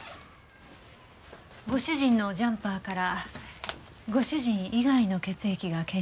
ご主人のジャンパーからご主人以外の血液が検出されました。